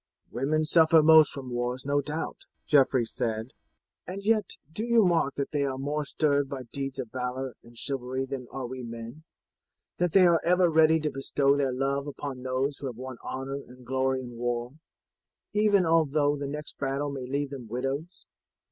"Women suffer most from wars, no doubt," Geoffrey said, "and yet do you mark that they are more stirred by deeds of valour and chivalry than are we men; that they are ever ready to bestow their love upon those who have won honour and glory in war, even although the next battle may leave them widows.